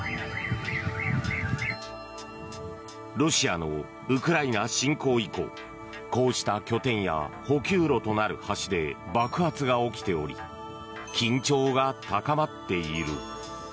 ロシアのウクライナ侵攻以降こうした拠点や補給路となる橋で爆発が起きており緊張が高まっている。